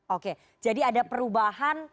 oke jadi ada perubahan